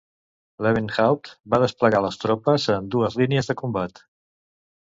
Lewenhaupt va desplegar les tropes en dues línies de combat.